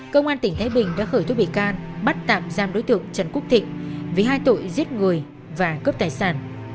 cơ quan tỉnh thái bình đã khởi thuốc bị can bắt tạm giam đối tượng trần quốc thịnh vì hai tội giết người và cướp tài sản